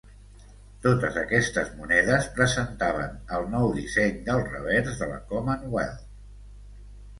Totes aquestes monedes presentaven el nou disseny del revers de la Commonwealth.